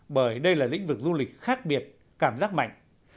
bởi đây là lĩnh vực du lịch khác biệt cảm giác mạnh